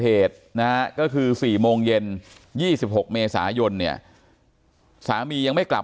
เหตุนะฮะก็คือ๔โมงเย็น๒๖เมษายนเนี่ยสามียังไม่กลับ